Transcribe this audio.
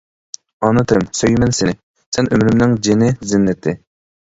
ئانا تىلىم، سۆيىمەن سېنى، سەن ئۆمرۈمنىڭ جېنى-زىننىتى.